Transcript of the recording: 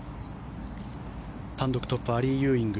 単独トップアリー・ユーイング。